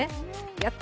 やった！